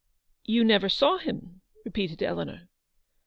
u You never saw him !" repeated Eleanor.